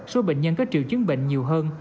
số bệnh nhân có triệu chứng bệnh nhiều hơn